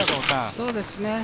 そうですね。